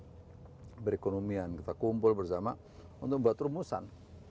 jadi berikonomian kita kumpul bersama untuk buat rumusan